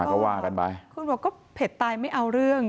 ก็ว่ากันไปคุณบอกก็เผ็ดตายไม่เอาเรื่อง